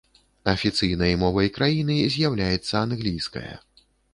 Афіцыйнай мовай краіны з'яўляецца англійская.